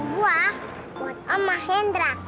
buah buat om mahendra